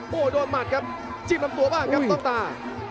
โอ้โหโดนหมัดครับจิ้มลำตัวบ้างครับต้นตา